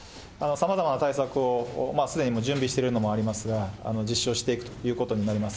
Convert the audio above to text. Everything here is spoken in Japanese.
さまざまな対策をすでに準備してるのもありますが、実施をしていくということになります。